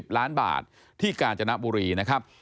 ๑ล้านบาทที่กาญจนบุรีนะครับ